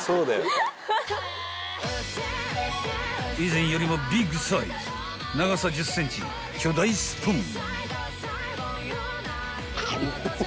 ［以前よりもビッグサイズ長さ１０ｃｍ巨大スプーン］